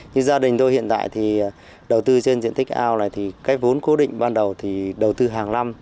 như gia đình tôi hiện tại thì đầu tư trên diện tích ao này thì cái vốn cố định ban đầu thì đầu tư hàng năm